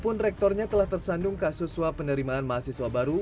jika rektornya telah tersandung kasus soal penerimaan mahasiswa baru